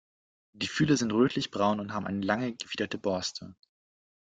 Die Fühler sind rötlichbraun und haben eine lange gefiederte Borste.